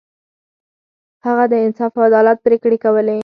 هغه د انصاف او عدالت پریکړې کولې.